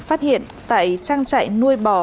phát hiện tại trang trại nuôi bò